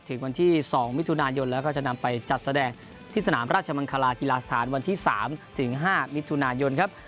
ถึงวันที่๒มิถุนายนแล้วก็จะนำไปจัดแสดงที่สนามราชมังคลากีฬาสถานวันที่๓ถึง๕มิถุนายนครับ